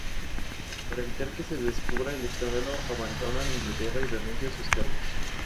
Para evitar que se descubra el escándalo, abandonan Inglaterra y renuncia a sus cargos.